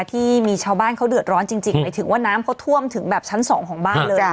ที่มีชาวบ้านเขาเดือดร้อนจริงหมายถึงว่าน้ำเขาท่วมถึงแบบชั้น๒ของบ้านเลย